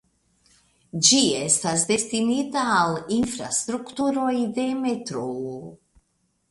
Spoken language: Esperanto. Ĝi estas destinita al infrastrukturoj de metroo.